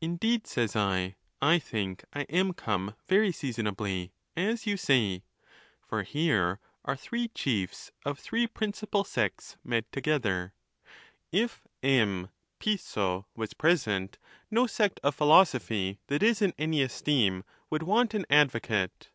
VII. Indeed, says I, I think I am come very seasonably, as you say; for here are three chiefs of three principal sects met together. If M. Piso' was present, no sect of philosophy that is in any esteem would want an advocate.